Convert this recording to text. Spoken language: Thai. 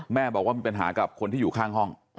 แม่บอกว่ามีปัญหากับคนที่อยู่ข้างห้อง